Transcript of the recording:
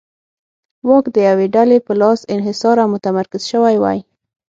واک د یوې ډلې په لاس انحصار او متمرکز شوی وای.